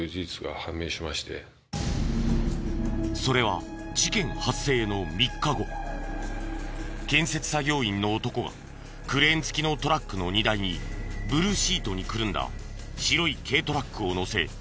それは事件発生の３日後建設作業員の男がクレーン付きのトラックの荷台にブルーシートにくるんだ白い軽トラックを載せ